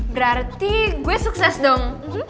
berarti gue sukses dong